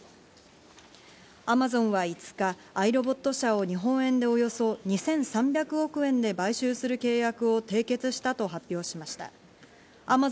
アマゾンは５日、アイロボット社を日本円でおよそ２３００億円で買収する契約を締結したと発表しました。